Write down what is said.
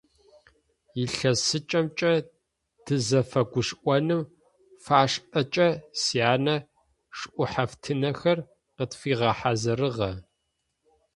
Илъэсыкӏэмкӏэ тызэфэгушӏоным фэшӏкӏэ сянэ шӏухьэфтынхэр къытфигъэхьазырыгъэ.